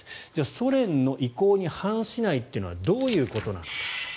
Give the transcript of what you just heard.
ソ連の意向に反しないというのはどういうことなのか。